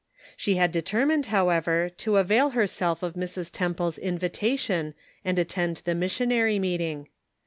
i She had determined, however, to avail her self of Mrs. Temple's invitation and attend the missionary meeting.